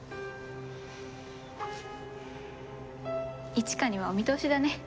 一嘉にはお見通しだね。